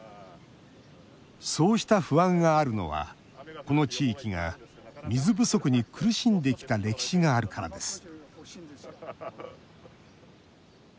そうした不安があるのはこの地域が水不足に苦しんできた歴史があるからです